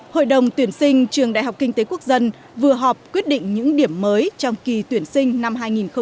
hội đồng tuyển sinh trường đại học kinh tế quốc dân vừa họp quyết định những điểm mới trong kỳ tuyển sinh năm hai nghìn hai mươi